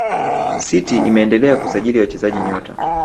city imeendelea kusajili wachezaji nyota